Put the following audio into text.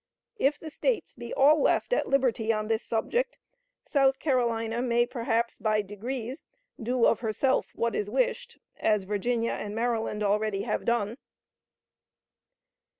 If the States be all left at liberty on this subject, South Carolina may, perhaps, by degrees, do of herself what is wished, as Virginia and Maryland already have done."